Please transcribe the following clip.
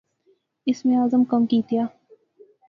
اسم اعظم کم کیتیا